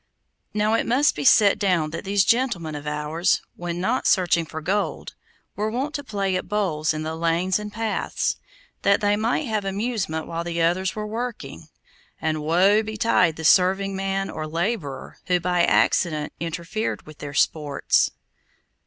Now it must be set down that these gentlemen of ours, when not searching for gold, were wont to play at bowls in the lanes and paths, that they might have amusement while the others were working, and woe betide the serving man or laborer, who by accident interfered with their sports.